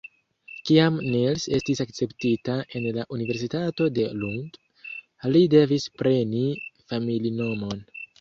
Kiam Nils estis akceptita en la Universitato de Lund, li devis preni familinomon.